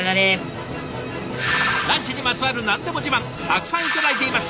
ランチにまつわる何でも自慢たくさん頂いています！